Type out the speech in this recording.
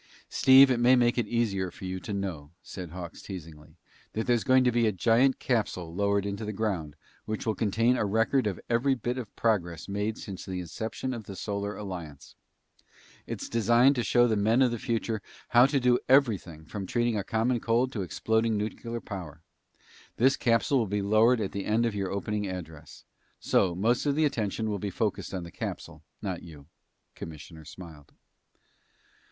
"Steve, it may make it easier for you to know," said Hawks teasingly, "that there's going to be a giant capsule lowered into the ground which will contain a record of every bit of progress made since the inception of the Solar Alliance. It's designed to show the men of the future how to do everything from treating a common cold to exploding nuclear power. This capsule will be lowered at the end of your opening address. So, most of the attention will be focused on the capsule, not you." The commissioner smiled.